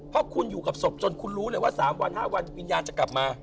เพราะคุณอยู่กับศพจนคุณรู้เลยว่า๓วัน๕วันวิญญาณจะกลับมา